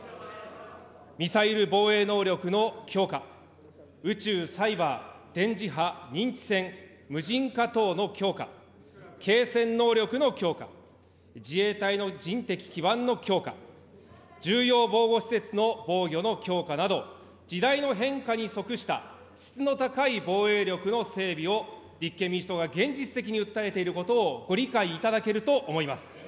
ミサイル防衛能力の強化、宇宙、サイバー、電磁波、認知戦、無人化等の強化、継戦能力の強化、自衛隊の人的基盤の強化、重要防護施設の防御の強化など、時代の変化に則した質の高い防衛力の整備を立憲民主党が現実的に訴えていることをご理解いただけると思います。